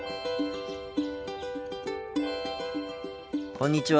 こんにちは。